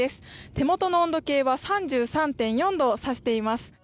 手元の温度計は３３．４度を指しています。